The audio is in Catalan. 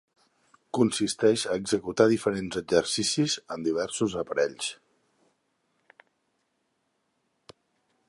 Consisteix a executar diferents exercicis en diversos aparells.